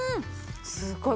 すごい。